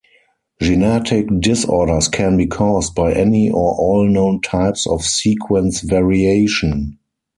Genetic disorders can be caused by any or all known types of sequence variation.